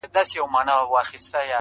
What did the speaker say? ويل زه يوه مورکۍ لرم پاتيږي!!